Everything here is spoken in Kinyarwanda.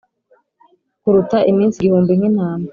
kuruta iminsi igihumbi nkintama